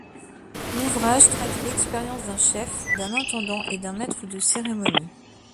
L’ouvrage traduit l’expérience d’un chef, d’un intendant et d’un maitre de cérémonie.